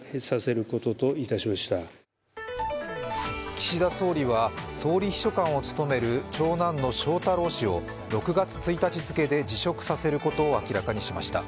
岸田総理は総理秘書官を務める長男の翔太郎氏を６月１日付で辞職させることを明らかにしました。